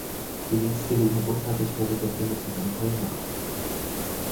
Die nächstgelegene Bushaltestelle befindet sich am Heumarkt.